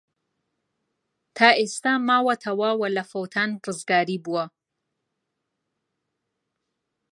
تا ئێستە ماوەتەوە و لە فەوتان ڕزگاری بووە.